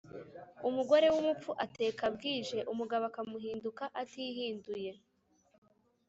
Umugore w’umupfu ateka bwije, umugabo akamuhinduka atihinduye.